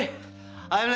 maaf saya terlambat